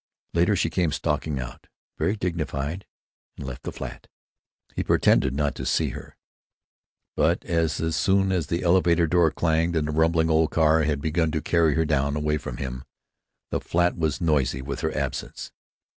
Later she came stalking out, very dignified, and left the flat. He pretended not to see her. But as soon as the elevator door had clanged and the rumbling old car had begun to carry her down, away from him, the flat was noisy with her absence.